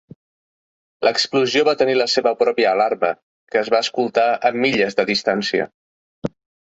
L"explosió va tenir la seva pròpia alarma, que es va escoltar a milles de distància.